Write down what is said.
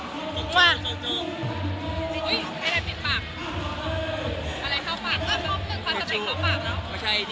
ส่งจูบส่งจูบ